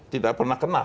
tidak pernah kenal